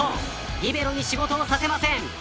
リベロに仕事をさせません。